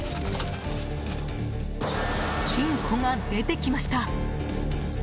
金庫が出てきました。